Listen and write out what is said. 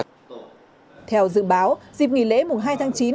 theo dự báo dịp nghỉ lễ mùng hai tháng chín